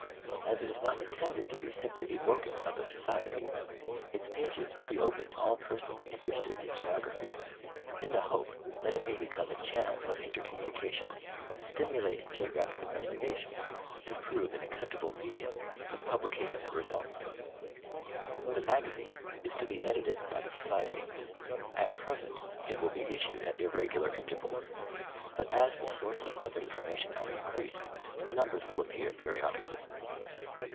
As it is not intended to be simply the organ of the Society, its pages will be open to all persons interested in Geography, in the hope that it may become a channel of intercommunication, stimulate geographic investiga tion and prove an acceptable medium for the publication of results. The Magazine is to be edited by the Society. At present it will be issued at irregular intervals, but as the sources of infor mation are increased the numbers will appear periodicallj